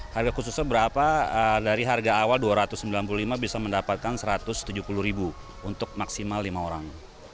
harga khususnya berapa dari harga awal dua ratus sembilan puluh lima bisa mendapatkan rp satu ratus tujuh puluh untuk maksimal lima orang